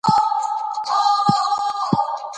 ادارې باید حساب ورکونې ته تیار وي